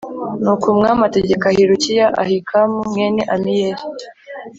Nuko umwami ategeka Hilukiya Ahikamu mwene amiyeli